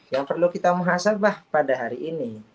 yang perlu kita muhasabah pada hari ini